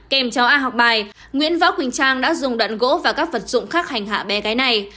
kèm cháu a học bài nguyễn vóc quỳnh trang đã dùng đoạn gỗ và các vật dụng khác hành hạ bé cái này